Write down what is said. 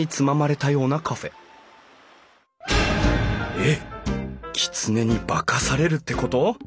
えっきつねに化かされるってこと？